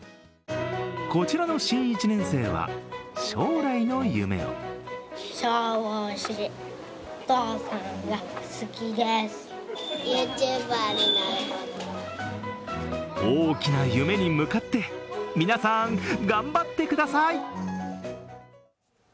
こちらの新１年生は将来の夢を大きな夢に向かって皆さん、頑張ってください！